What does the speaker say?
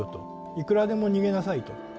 「いくらでも逃げなさい」と。